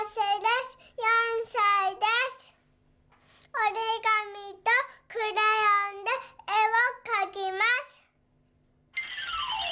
おりがみとクレヨンでえをかきます。